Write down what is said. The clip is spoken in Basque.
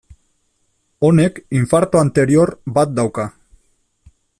Honek infarto anterior bat dauka.